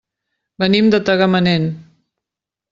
Venim de Tagamanent.